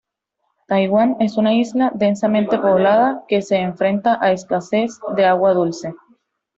Taiwán es una isla densamente poblada que se enfrenta a escasez de agua dulce.